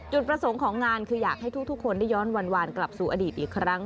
ประสงค์ของงานคืออยากให้ทุกคนได้ย้อนวานกลับสู่อดีตอีกครั้ง